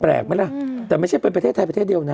ไหมล่ะแต่ไม่ใช่เป็นประเทศไทยประเทศเดียวนะ